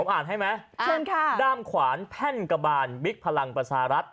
ผมอ่านให้ไหมดามขวานแพ่นกะบานบิ๊กพลังประสารัฐ